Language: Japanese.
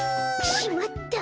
しまった！